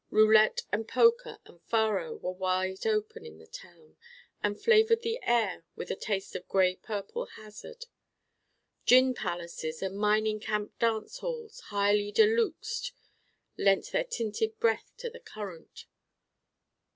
Roulette and poker and faro were wide open in the town and flavored the air with a taste of gray purple hazard. Gin palaces and mining camp dance halls, highly de luxe'd, lent their tinted breath to the current.